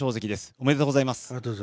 おめでとうございます。